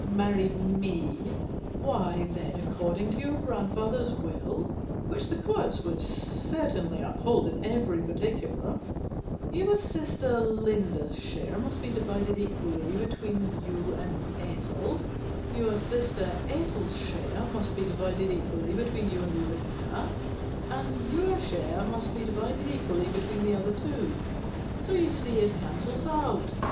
347 marry me, why, then, according to your grand father's will, which the Courts would certainly uphold in every particular, your sister Linda's share must be divided equally between you and Ethel ; your sister Ethel's share must be divided equally between you and Linda ; and your share must be divided equally between the other two. So, you see, it cancels out.